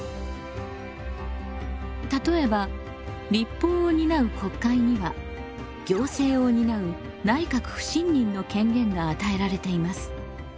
例えば立法を担う国会には行政を担う内閣不信任の権限が与えられています。